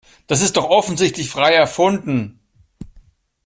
Das ist doch offensichtlich frei erfunden.